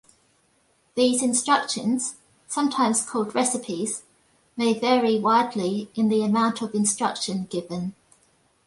These instructions, sometimes called recipes, may vary widely in the amount of instruction given.